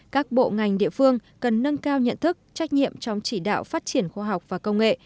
các bộ ngành địa phương cần nâng cao nhận thức trách nhiệm trong chỉ đạo phát triển khoa học và công nghệ